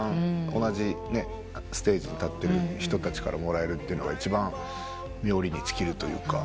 同じステージに立ってる人たちからもらえるっていうのが一番冥利に尽きるというか。